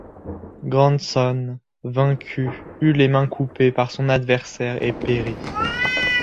Grandson, vaincu, eut les mains coupées par son adversaire et périt.